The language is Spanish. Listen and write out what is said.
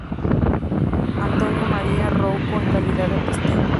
Antonio María Rouco en calidad de testigo.